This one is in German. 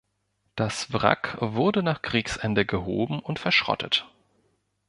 Das Wrack wurde nach Kriegsende gehoben und verschrottet.